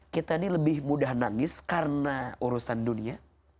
kita ini lebih mudah nangis karena urusan dunia